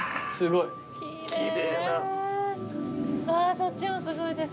そっちもすごいですね。